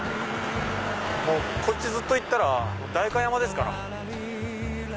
こっちずっと行ったら代官山ですから。